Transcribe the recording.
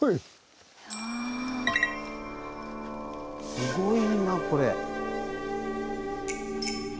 すごいなこれ。